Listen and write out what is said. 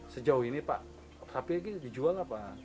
sejauh ini apakah sapi ini dijual